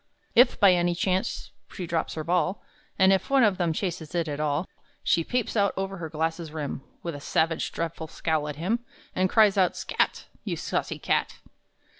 If by any chance she drops her ball, And if one of them chases it at all, She peeps out over her glasses' rim With a savage, dreadful scowl at him, And cries out, "Scat, You saucy cat!"